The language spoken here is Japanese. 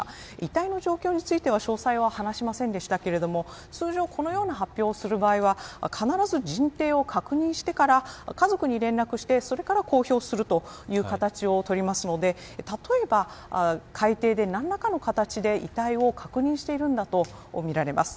遺体の詳細については話しませんでしたが、通常このような発表をする場合は必ず人定を確認してから家族に連絡して公表という流れを取りますから海底で何らかの形で遺体を確認しているんだとみられます。